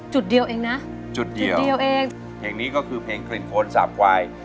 จุดเดียวเองนะจุดเดียวจุดเดียวเองเพลงนี้ก็คือเพลงกลิ่นโคนสาบควาย